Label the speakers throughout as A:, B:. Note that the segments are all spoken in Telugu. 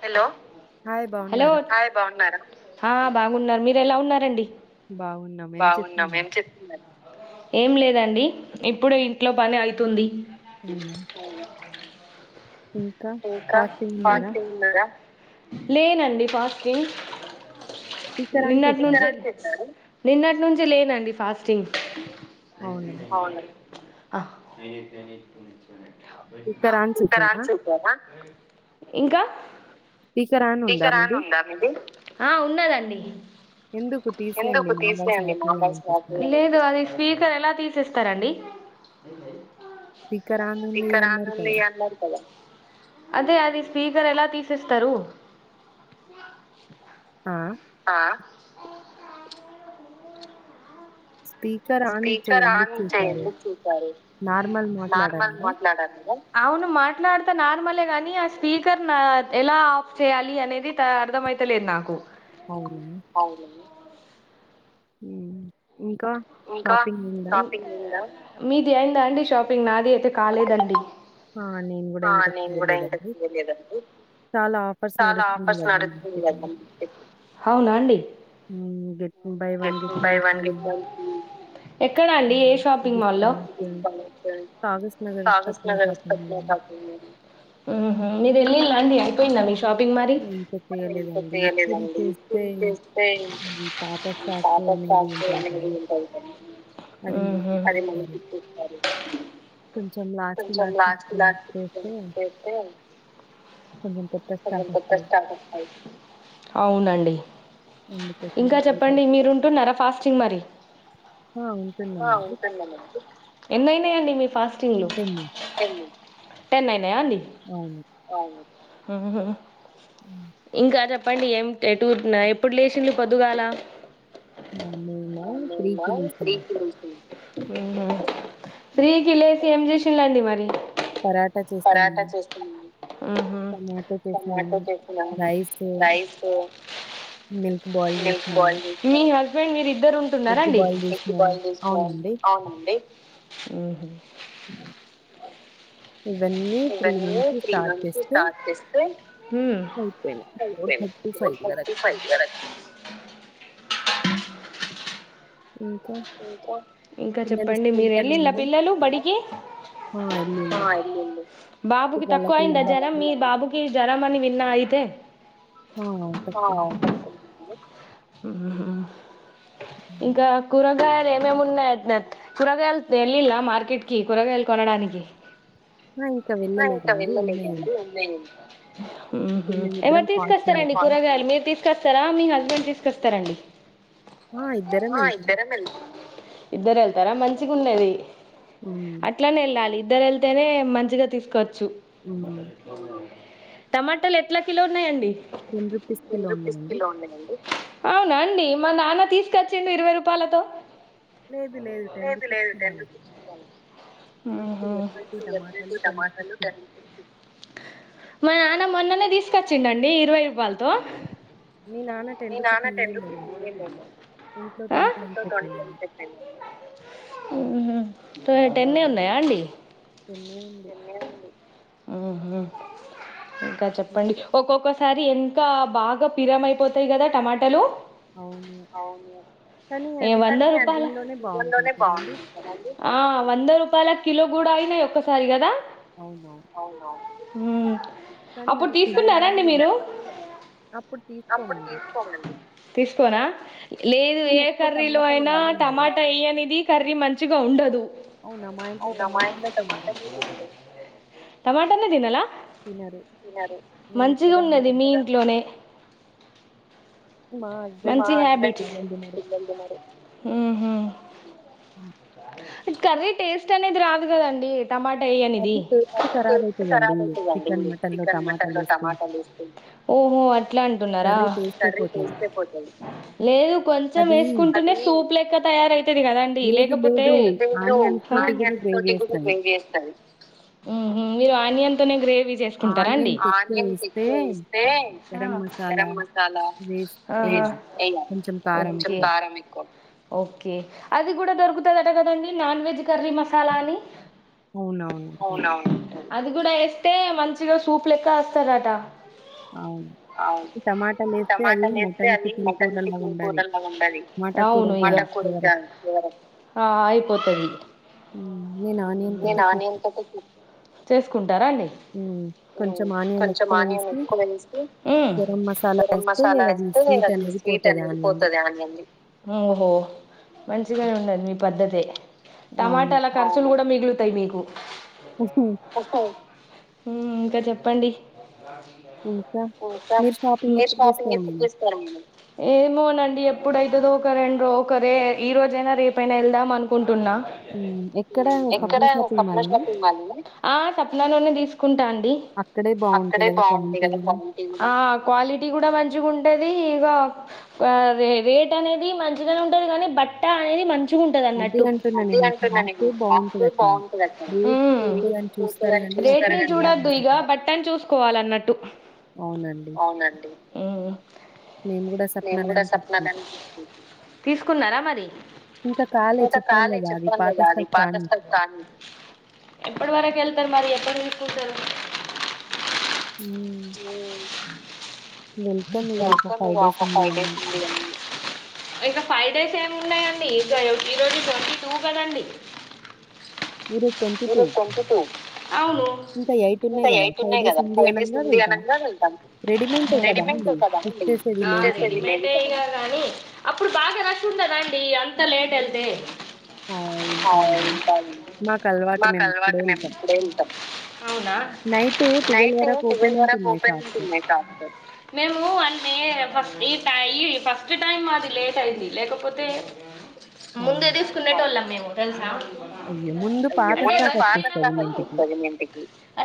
A: హలో హలో హాయ్ బాగున్నారా హ బాగున్నాను మీరు ఎలా ఉన్నారండి బాగున్నాం ఏం చెప్తున్నారుా ఏం లేదండి ఇప్పుడు ఇంట్లో పని అయితుంది స ఇంకా ఫాస్టింగ్ ఉన్నారా లేనండి ఫాస్టింగ్ నిన్నటినుంచి నిన్నటి నుంచి లేనండి ఫాస్టింగ్ అవునండి ఆ అయి అ ని
B: ఉత్తరన్ చూసారా
A: హ ఇంకా స్పీకర్ ఆన్ ఉందా మీది ఆ ఉన్నాదండి ఎందుకు తీసేయండి నా వాయిస్ నాకే లేదు అది స్పీకర్ ఎలా తీసేస్తారండి ఏ స్పీకర్ ఆన్ ఉంది అన్నారు కదా అదే అది స్పీకర్ ఎలా తీసేస్తారు
B: ఆ
A: ఆ స్పీకర్ ఆన్ చే ఎందుకు చేశారు నార్మల్ మాట్లాడాలీ కదా అవును మాట్లాడ్త నార్మలే కని ఆ స్పీకర్ నా ఎలా ఆఫ్ చేయాలి అనేది అర్ధమైతలేదు నాకు
B: అవునా
A: ఇంకా షాపింగ్ ఉందా మీది అయిందా అండి షాపింగ్ నాది అయితే కాలేదండి.
B: ఆ నేను గుడా ఇంకా చేయలేదండి చాలా ఆఫర్స్ నడుస్తుయి కద
A: ఎక్కడ అండి ఏ షాపింగ్ మాల్లో మాకు తెల్సి స్వప్న షాపింగ్ మాల్లో డి అయిపోయింద మీ షాపింగ్ మరి ఇంక చేయలేదండి ఇప్పుడు చేస్తే పాతా స్టాక్ అనేవి ఉంటయి కొన్ని అవి మనకిచేస్తారు కొంచెం లాస్ట్ లాస్ట్ చేస్తే కొత్త స్టాక్ అయి అవునండి నండి
B: అందుకోసమే చెప్పిన
A: చెప్పండి మీరుంటున్నార ఫాస్టింగ్ మరి ఆ ఉంటాన నండి మీ ఫాస్ టింగ్లు టెన్ నైన్ [inaudible] మ్ హ్ ఇంకా చెప్ చెప్పండి ఎం ఎటూ నై ఎప్పుడు లేచిన్లు పొద్దుగాల ఆ మేమ త్రీ కి లేసినమ్ త్రీ కి లేసి ఏం జేసీ లండి మరి పరాటా చేస్తున్నాం అహ్ టమాటో చేస్తున్నా మండి రైస్ మిల్క్ బాయిల్ మీ హస్బెండ్ మీరి ఇద్దరు ఉంటున్నర అండి ఎగ్ బాయిల్ చేసుకున్నం అవునండి ఇవన్నీ త్రీ నుంచి స్టార్ట్ చేస్తే అయిపోయినయి ఫోర్ థర్టీ ఫైవ్ వరక్ ఇంకా చెప్పండి మీరు వెళ్ళీలా పిల్లలు బడికి బాబుకి తక్కువ అయిందా జ్వరం మీ బాబుకి జ్వరం అని వి నా అయితే ఆ ఊహూ ఇంకా కూరగాయలు ఏమేమి ఉన్నాయటనా కూరగాయలు వెళ్ళీలా మార్కెట్ కి కూరగాయలు కొనడానికి ఎవరు తీసుకొస్తారండి కూరగాయలు మీరు తీసుకొస్తారా మీ హస్ [unintelligible] తీసుకొస్తారండి
B: ఆ ఇద్దరం వెళ్
A: [unintelligible] ఇద్దరు వెళ్తారా మంచిగ ఉందది అట్లనే ఎళ్ళాలి ఇద్దరెళ్తేనే మంచిగా తీసుకోవచ్చు చ్చు టమాటలు ఎట్లా కిలో ఉన్నాయండి
B: టెన్ రుపీస్ కిలో ఉన్నాయండి
A: అవునా అండి మా నాన్న తీసుకొచ్చిండు ఇరవై రూపా పాలతో మా నాన్న మొన్ననే తీసుకొచ్చిండండి ఇరవై రూపాయలతో
B: మీ నాన్న టెన్ రూపీస్ మింగిండేమో ఇంట్లో
A: ఆ ఊహూ త టెన్ ఎ ఉన్నాయా అండి
B: టెన్నే అండి
A: ఊహూ ఇంకా చెప్పండి ఒక్కొక్క సారి ఎంకా బాగా పిరమ్ అయిపోతాయి కదా టమాటాలు
B: అవును
A: ఏ వంద రూపాయల ఆ వంద రూపాయల కిలో కూడా అయినాయి ఒక్కసారి గదా అవునవును హ్మ్ అప్పుడు తీసుకున్నారాండి మీరు తీసుకోరా ఇ ఏ కర్రీలో అయినా టమాటా ఎయ్యనిది కర్రీ మంచిగా ఉండదు, టమాటా తినాల మంచిగా ఉన్నది మీ ఇంట్లోనే మంచి హ్యాబిట్స్ ఉ ఉ
B: ఉ
A: కర్రీ టేస్ట్ అనేది రాదు కదండి టమాటా వెయ్యనిది, ఓహో అట్లా న్నారా లేదు కొంచెం వేసుకుంటేనే సూప్ లెక్క తయారయితది కదా అండి, హు మీర్ నీ అంతనే గ్రేట్ మీరు చేసుకుంటారా అండి, ఆనియన్స్ ఎక్కువ వేస్తే ఆ గరం మసాలా ఎయం ఎయము కొంచెం కారం ఎక్కువ ఓకే అది కూడా దొరుకుతదట కదండి నాన్ వెజ్ కర్రీ మసాలా అని
B: అవునఅవును ఉంటది
A: అది కూడా వేస్తే మంచిగా సూపు లెక్క వస్తాదట
B: అవును టమాట లేేస్తే అది మెతే
A: అది మటన్ చికెన్ కూరల లాగే ఉండాలి కూరలాగా ఉంటే చేయలేం నేను ఆనియన్ తోటే చేస్తా ఊ కొంచెం ఆనియం ఎక్కువ వేసి ఊ గరం మసాలా ఓహో మంచిగానే ఉన్నది మీ పద్ధతి టమాటాల ఖర్చులు కూడా మిగిలు తైమేగు
B: వస్తా
A: ఊ ఇంకా చెప్పండి ఇంకా మీరు షాపింగ్ చెస్ ఏమోనండి ఎప్పుడయితదో ఒకరెండ్రో ఒకరే ఈ రోజైన రేపయినా వెళ్దాం అనుకుంటు అనుకుంటున్నా ఆ స్వప్నలోనే తీసుకున్ తీసుకుంటాను ఆ క్వాలిటీ కూడ మంచి ఇ ఇగో రేట్ అనేది మంచిగానే ఉంటది కానీ బట్ట అనేది మంచి మంచిగా ఉంటది అన్నట్టు, మ్ రేట్లు చూడద్దు ఇగ బట్టని చూసుకోవాలన్నట్టు నేను కూడా స్వప్నదని తీసుకున్నా ఆ మరి ఇంకా కాలే చేప్న్నాన్ కాద పేటెస్పెంట్ కానీ సర్ మరి ఎప్పుడు తీసుకుంటారు హ్మ్ వెల్కమ్ ఇగా ఫైవ్ డేస్ ముందుగానే డేస్ ఏమి ఉన్నాయండి [unintelligible] ఈరోజు ట్వంటీ టూ కదండి ఈరోజు ట్వంటీ టూ ఇంకా ఎయిట్ ఉన్నాయ్ కాద ఫైవ్ డేస్ ఉందిగనంగా వెళ్తాం అప్పుడు బాగా ఎలా [unintelligible] దండి అంత లేట్ వెళ్తే మాక్ అల్వాటు మేము డైలీ వెళ్తాం నేను అంటే ఫస్ట్ ఈ టైయి ఫస్ట్ టైమ్ అది లేట్ అయింది లేకపోతే ముందే తీసుకున్నేటోళ్ళం మేము తెలుసా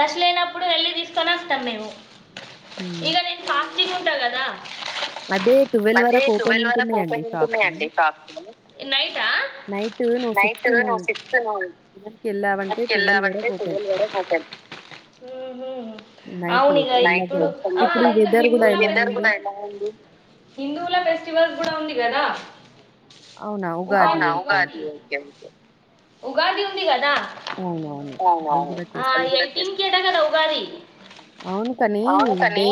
A: రష్ లేనప్పుడు వెళ్ళి తీస్ సమాస్ స్టానేమో
B: హ్మ్
A: తీస్ ఉంటా కదా అది టువెల్ వరకు ఓపెన్ ఉంటున్నాయండి షాప్స్ నైటు షిఫ్ట్ ఏమో అక్ వెళ్లావంటే టువెల్ వరకు ఓపెన్ ఇప్పుడు వేదరు కూడా ఎలా ఉంది హిందువుల ఫెస్టివల్స్ కూడా ఉంది కదా అవునా ఉగాది [unintelligible] ఉగాది ఉంది కదా అవ్నావును ఆ కనీ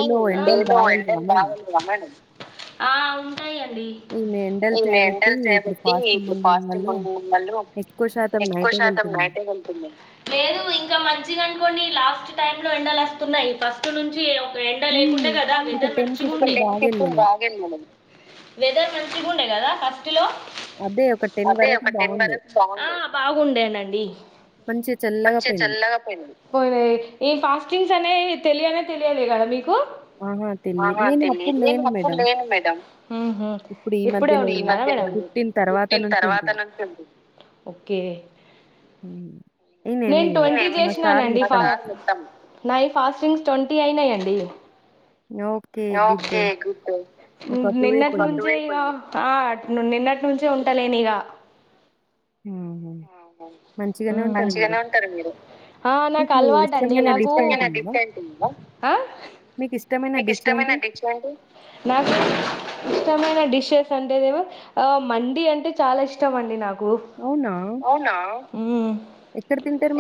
A: డే లో ఎండల్ బాగున్నాయ్గా మేడం ఈమ్ ఎండల్ చేయ్బట్టి ఇప్పుడు పాజిటివ్ [unintelligible] ఎక్కువ శాతం నైట్ టైం ఉంటుంది కొన్ని లాస్ట్ టై లో ఎండలు వస్తున్నాయి ఫస్ట్ నుంచి ఒకట్ నేన్ లేకుండే [unintelligible] వెదర్ మంచి ఉండే కదా ఫస్ట్లో అదే ఒక టెన్ వరకు బాగు మంచిగా చల్ తనే తెలియనే తెలియాదికా మీక్ ఆహా తెలియదు నేన్ అప్పుడు లేన్ మేడం ఈ మధ్య ఫిఫ్టీన్ తర్వాత నుంచి ఉంది న్నాయ్ ఫాస్టింగ్స్ ట్వంటీ అయినాయి అండి నిన్ నిన్నటి నుంచి ఇగా ఆ న్నినట్ అక్కడి నుంచే ఉంటాలేనిగా
B: ఆహ
A: మంచిగానే ఉంటారు మీరు మీకు ఇష్టమైన డిఫ్ మేడం మీకు ఇష్టమైన డిచ్ ఏంటి ఇష్టమైన డిషెస్ అంటేదేమో ఆ మండి అంటే చాలా ఇష్టం అండి నాకు
B: అవునా
A: అవునా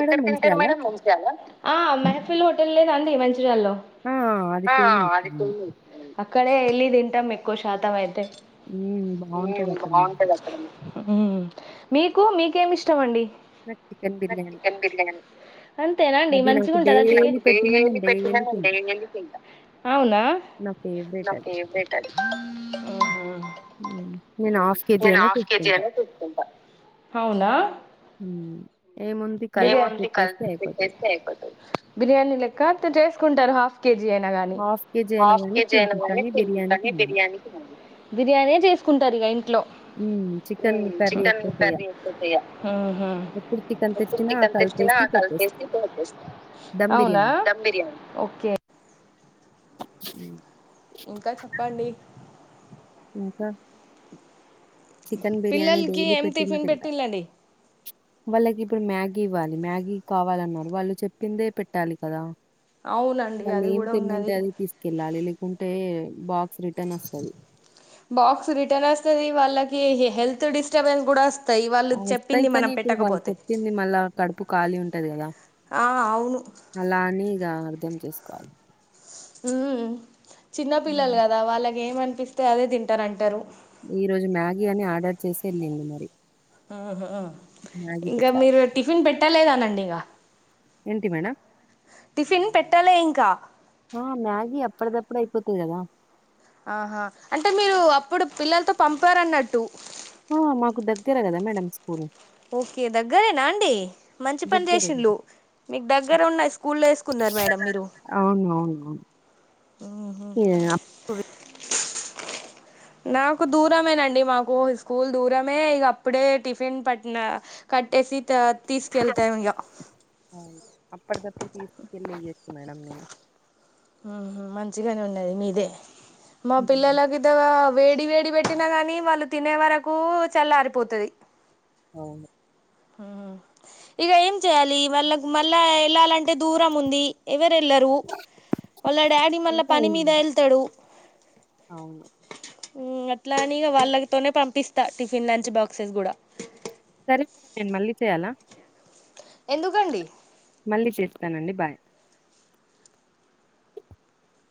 A: ఇక్కడ తింటారు మేడం మంచి అలా అంది మంచ్ ర్యాలో ఆ అది అక్కడే వెళ్లి తిన్ ఎక్కువ శాతం అయితే ఆ బాగుంటది అక్కడ మీకు మీకు మి ఇష్టంమండి నాకు చికెన్ బిర్యానీ నాకు డైలీ పెట్టిన డైలీ తింటా నా ఫేవరెట్ అది
B: నేను హాఫ్ కేజి ఎనా తింటా
A: ఏముంది కలిపి పెట్టేస్తే అయిపోతది చేసుకుంటారు హాఫ్ కేజీ అయినగాని హఫ్ కేజీ అయిన గాని తింటా బిర్యానీ కుంటారు ఇక ఇంట్లో
B: ఉ చికెన్ కర్రీ ఎక్కసయ
A: ఎప్పుడు చికెన్ తెచ్చినా కలిపేసి పోపేస్తా దమ్ బిర్యాని
B: హ
A: ఆ
B: ఇంకా
A: పిల్లలకి ఏం టిఫిన్ పెట్టిలండి
B: వాళ్ళకి ఇప్పుడు మ్యాగీ ఇవ్వాలి మ్యాగీ కావాలన్నారు వాళ్ళు చెప్పిందే పెట్టాలి కదా వాళ్ళు ఏమి తిమ్మంటే అది తీసుకెళ్ళాలికి లేకపో కుంటే బాక్స్ రిటర్న్ వస్తుది
A: బాక్స్ రిటర్న్ వస్తుది వాళ్ళకి హెల్త్ డిస్టర్బెన్స్ కూడా వ
B: వస్తాయి కానీ ఇప్పుడు వాళ్ళు చెప్పింది మళ్ళా కడుపు ఖాళీ ఉంటది కదా అలా అని ఇగ అర్ధం తీసుకోవాలి
A: చిన్న పిల్లలు కదా వాళ్ళకి ఏమనిపిస్తే అదే తింటార అంటారు
B: ఈ రోజు మ్యాగీ అని ఆర్డర్ చేసే వెళ్ళింది మరి
A: ఆహ ఇంకా మీరు టిఫిన్ పెట్టలేదానండి ఇగ
B: ఏంటి మేడం మ్యాగి అప్పుడ దప్పుడ పోతుంది కదా
A: ఆహా అంటే మీరు అప్పుడు పిల్లలతో పంపారన్నట్టు
B: ఆ మాకు దగ్గర కదా మేడం స్కూల్
A: ఓకే దగ్గరేనా అండి మంచి పని చేసింళు మీకు దగ్గర ఉన్న స్కూల్లో వేసుకున్నారు మేడం మీరు నాకు దూరమేనండి మాకు స్కూల్ దూరమే ఇగ అప్పుడే టిఫిన్ పట్న కట్టేసి తీసుకెళ్తానిగా
B: ఎప్పటికపుడు తీసుకెళ్లలేదు మేడమ్ మేడమ్ నేను
A: ఆహా మంచిగానే ఉన్నది మీదే మా పిల్లలకిత వేడి వేడి పెట్టినా గాని వాళ్ళు తినేవరకు చల్లారిపోతాది
B: అవును
A: ఇక ఏం చేయాలి వాళ్లకు మళ్ళా వెళ్ళాలంటే దూరం ఉంది ఎవరి వెళ్ళరు వాళ్ళ డాడీ మళ్ళా పని మీద వెళ్తాడు
B: అవును
A: హ్మ్మ్ అట్లా అని ఇగ వాళ్ళతోనే పంపిస్తా టిఫిన్, లంచ్ బాక్సెస్ కూడా
B: సరే మేడం మళ్ళీ చేయాలా
A: ఎందుకండి
B: మళ్ళీ చేస్తానండి బాయ్